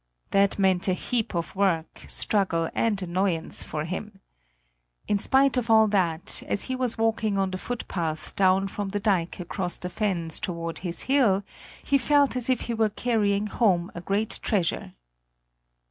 That meant a heap of work, struggle, and annoyance for him! In spite of all that, as he was walking on the footpath down from the dike across the fens toward his hill, he felt as if he were carrying home a great treasure.